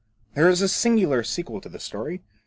" There is a singular sequel to this story.